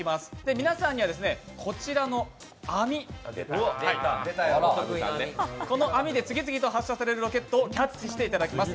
皆さんにはこちらの網で次々と発射されるロケットをキャッチしていただきます。